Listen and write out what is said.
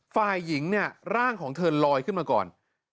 ฝ่ายหญิงเนี่ยร่างของเธอลอยขึ้นมาก่อน